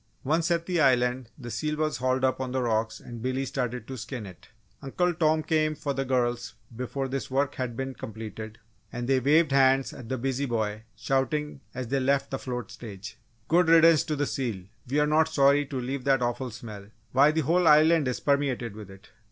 Once at the Island the seal was hauled up on the rocks and Billy started in to skin it. Uncle Tom came for the girls before this work had been completed and they waved hands at the busy boy, shouting as they left the float stage: "Good riddance to the seal! We're not sorry to leave that awful smell. Why, the whole Island is permeated with it!"